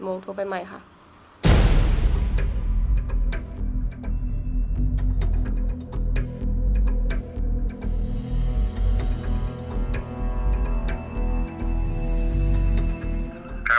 คุณพ่อได้จดหมายมาที่บ้าน